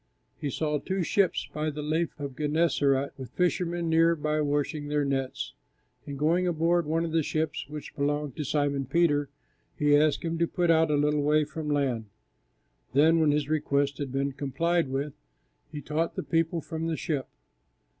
He saw two ships by the Lake of Gennesaret with the fishermen near by washing their nets, and going aboard one of the ships, which belonged to Simon Peter, He asked him to put out a little way from land; then, when His request had been complied with, He taught the people from the ship.